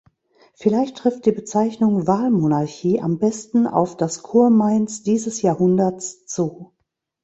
Vielleicht trifft die Bezeichnung "Wahlmonarchie" am besten auf das Kurmainz dieses Jahrhunderts zu.